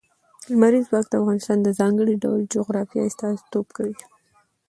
لمریز ځواک د افغانستان د ځانګړي ډول جغرافیه استازیتوب کوي.